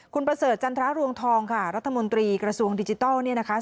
คุณประเสริฐจันทรรวงทองค่ะรัฐมนตรีกระทรวงดิจิทัลเนี่ยนะคะ